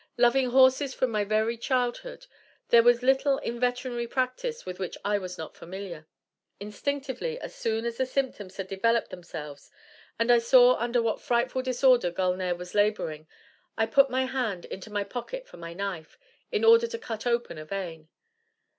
Loving horses from my very childhood, there was little in veterinary practice with which I was not familiar. Instinctively, as soon as the symptoms had developed themselves, and I saw under what frightful disorder Gulnare was laboring, I put my hand into my pocket for my knife, in order to open a vein.